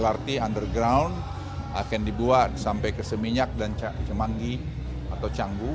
lrt underground akan dibuat sampai ke seminyak dan semanggi atau canggu